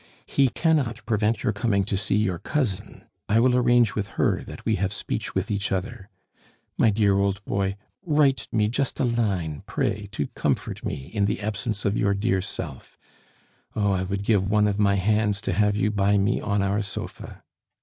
"He cannot prevent your coming to see your cousin; I will arrange with her that we have speech with each other. My dear old boy, write me just a line, pray, to comfort me in the absence of your dear self. (Oh, I would give one of my hands to have you by me on our sofa!)